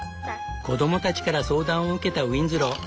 子どもたちから相談を受けたウィンズロー。